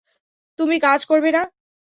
তুমি কাজ করবে না?